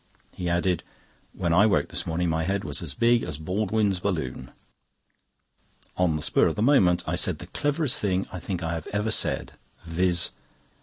He added: "When I woke this morning, my head was as big as Baldwin's balloon." On the spur of the moment I said the cleverest thing I think I have ever said; viz.